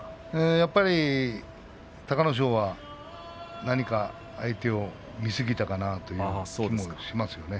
やっぱり隆の勝は相手を見すぎたかなという感じがしますね。